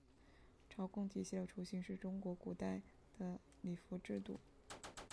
朝贡体系的雏形是古代中国的畿服制度。